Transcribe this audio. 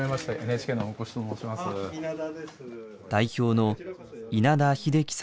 代表の稲田秀樹さんです。